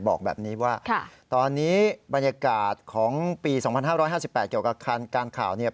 บอกแบบนี้ว่าตอนนี้บรรยากาศของปี๒๕๕๘เกี่ยวกับการข่าวเนี่ย